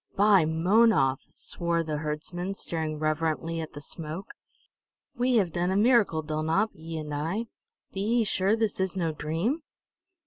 "By Mownoth!" swore the herdsman, staring reverently at the smoke. "We have done a miracle, Dulnop ye and I! Be ye sure this is no dream?"